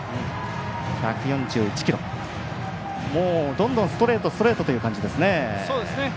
どんどんストレートストレートという感じですね。